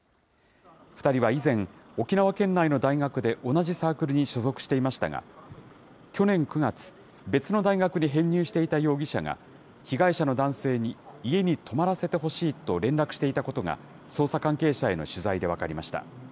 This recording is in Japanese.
２人は依然、沖縄県内の大学で同じサークルに所属していましたが、去年９月、別の大学に編入していた容疑者が、被害者の男性に家に泊まらせてほしいと連絡していたことが、捜査関係者への取材で分かりました。